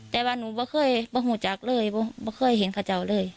แต่ว่าหนูไม่เคยมาหูจักรเลยไม่เคยเห็นขเจ้าเลย